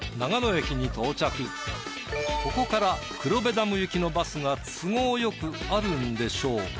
ここから黒部ダム行きのバスが都合よくあるんでしょうか？